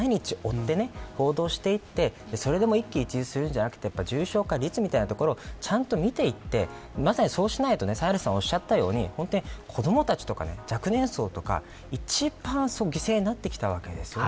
感染者を毎日追って報道していって一喜一憂するのではなく重症化率みたいなところをちゃんと見ていってそうしないとサヘルさんがおっしゃったように子どもたちとか、若年層とか一番犠牲になってきたわけです。